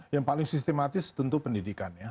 yang paling sistematis tentu pendidikannya